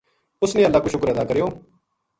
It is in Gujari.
اس نے اللہ کو شکر ادا کریو